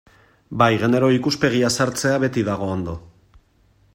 Bai, genero ikuspegia sartzea beti dago ondo.